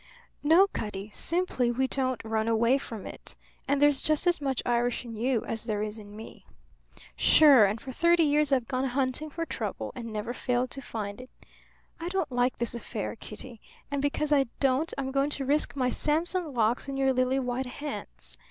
"No, Cutty; simply we don't run away from it. And there's just as much Irish in you as there is in me." "Sure! And for thirty years I've gone hunting for trouble, and never failed to find it. I don't like this affair, Kitty; and because I don't I'm going to risk my Samson locks in your lily white hands.